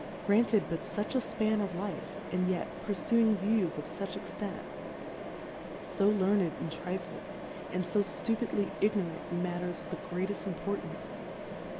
Granted but fuch a Span of Life, and yetpurfu ing Views of fuch Extent ? So Learned In. Trifles, and fo ftupidly Ignorant in Matters of the grcatefl: Importance